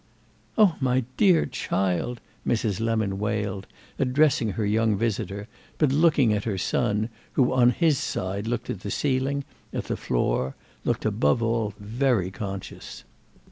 "Oh my dear child!" Mrs. Lemon wailed, addressing her young visitor, but looking at her son, who on his side looked at the ceiling, at the floor, looked above all very conscious.